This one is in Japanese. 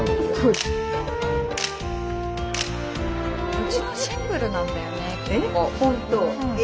うちのシンプルなんだよね結構。え？